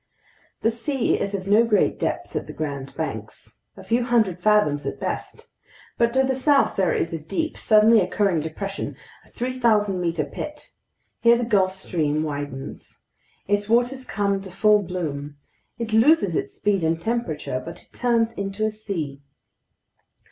The sea is of no great depth at the Grand Banks. A few hundred fathoms at best. But to the south there is a deep, suddenly occurring depression, a 3,000 meter pit. Here the Gulf Stream widens. Its waters come to full bloom. It loses its speed and temperature, but it turns into a sea.